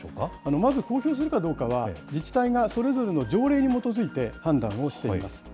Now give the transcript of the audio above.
まず公表するかどうかは、自治体がそれぞれの条例に基づいて判断をしております。